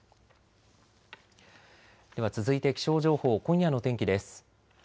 では続いて気象情報、今夜の天気です。